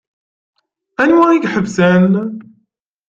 Anwa i iḥebsen?